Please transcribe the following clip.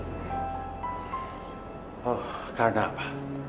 oh karena apa